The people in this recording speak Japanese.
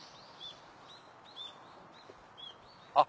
あっ！